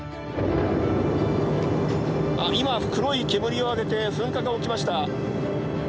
「あっ今黒い煙を上げて噴火が起きました」。